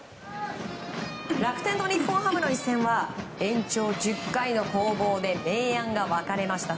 楽天と日本ハムの一戦は延長１０回の攻防で明暗が分かれました。